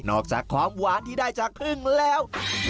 อกจากความหวานที่ได้จากครึ่งแล้ว